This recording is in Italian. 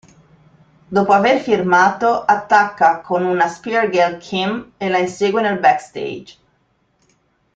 Dopo aver firmato attacca con una Spear Gail Kim e la insegue nel backstage.